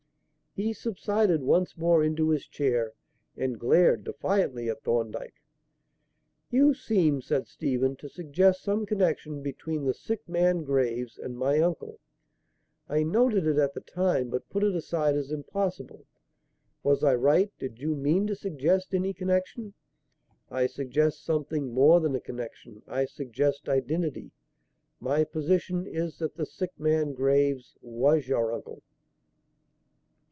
He subsided once more into his chair and glared defiantly at Thorndyke. "You seemed," said Stephen, "to suggest some connection between the sick man, Graves, and my uncle. I noted it at the time, but put it aside as impossible. Was I right. Did you mean to suggest any connection?" "I suggest something more than a connection. I suggest identity. My position is that the sick man, Graves, was your uncle."